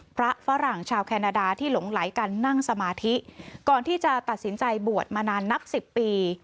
ฝรั่งชาวแคนาดาที่หลงไหลกันนั่งสมาธิก่อนที่จะตัดสินใจบวชมานานนับสิบปี